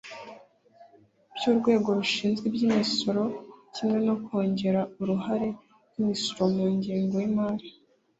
by'urwego rushinzwe iby'imisoro kimwe no kongera uruhare rw'imisoro mu ngengo y'imari